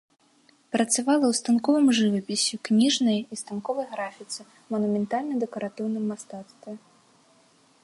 Працавала ў станковым жывапісе, кніжнай і станковай графіцы, манументальна-дэкаратыўным мастацтве.